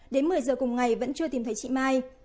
đến một mươi giờ cùng ngày vẫn chưa tìm thấy chị mai